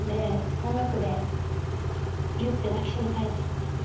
音楽でぎゅって抱きしめたいですね。